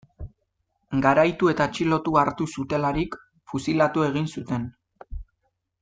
Garaitu eta atxilo hartu zutelarik, fusilatu egin zuten.